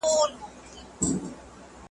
تاسي خپله مځکه په خپل عمر کي اباده کړه.